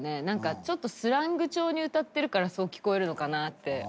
なんかちょっとスラング調に歌ってるからそう聞こえるのかなって。